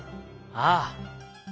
「ああ。